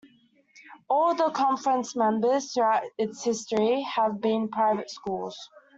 All of the conference's members throughout its history have been private schools.